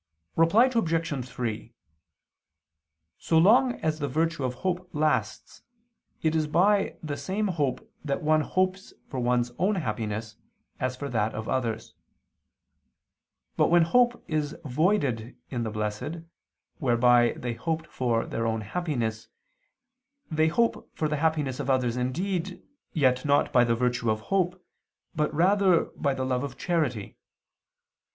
Reply Obj. 3: So long as the virtue of hope lasts, it is by the same hope that one hopes for one's own happiness, and for that of others. But when hope is voided in the blessed, whereby they hoped for their own happiness, they hope for the happiness of others indeed, yet not by the virtue of hope, but rather by the love of charity.